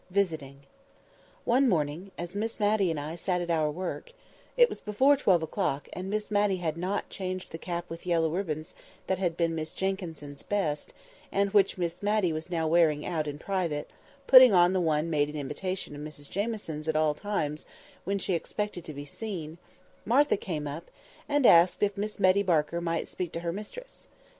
VISITING ONE morning, as Miss Matty and I sat at our work—it was before twelve o'clock, and Miss Matty had not changed the cap with yellow ribbons that had been Miss Jenkyns's best, and which Miss Matty was now wearing out in private, putting on the one made in imitation of Mrs Jamieson's at all times when she expected to be seen—Martha came up, and asked if Miss Betty Barker might speak to her mistress.